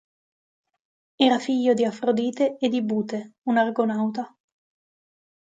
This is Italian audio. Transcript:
Era figlio di Afrodite e di Bute, un argonauta.